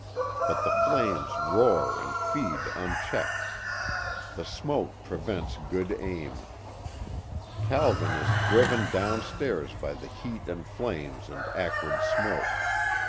But the flames roar and feed unchecked. The smoke prevents good aim. Calvin is driven down stairs by the heat and flames and acrid smoke.